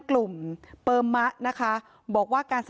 โจมตีรัฐบาล